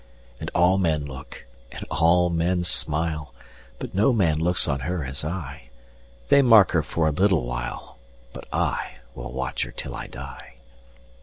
And all men look, and all men smile, But no man looks on her as I:They mark her for a little while, But I will watch her till I die.